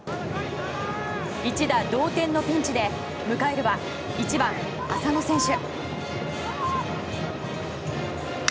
一打同点のピンチで迎えるは１番、浅野選手。